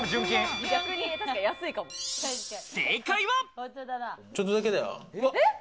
正解は。